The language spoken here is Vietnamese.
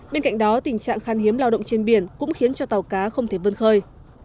bên cạnh đó tình trạng khan hiếm lao động trên biển cũng khiến cho tàu cá không thể vân khơi